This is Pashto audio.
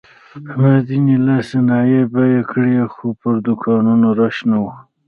ما ځینې لاسي صنایع بیه کړې خو پر دوکانونو رش نه و.